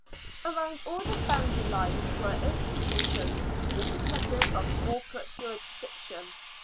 Around all this boundary line were institutions, independent of corporate jurisdiction.